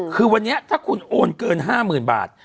คือวันนี้ถ้าคุณโอนเกิน๕๐๐๐บาท